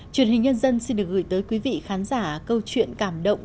truyền hình nhân dân xin được gửi tới quý vị khán giả câu chuyện cảm động